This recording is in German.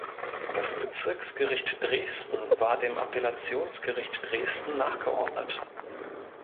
Das Bezirksgericht Dresden war dem Appellationsgericht Dresden nachgeordnet.